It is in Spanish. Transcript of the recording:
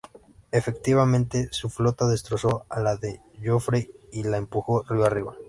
Efectivamente, su flota destrozó a la de Joffrey y la empujó río arriba.